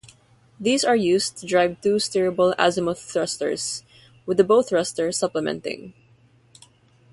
These are used to drive two steerable azimuth thrusters, with a bow thruster supplementing.